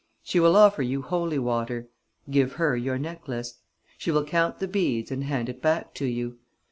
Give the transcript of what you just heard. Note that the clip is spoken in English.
She will offer you holy water. Give her your necklace. She will count the beads and hand it back to you.